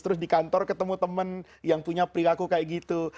terus di kantor ketemu temen yang punya perilaku kayak gitu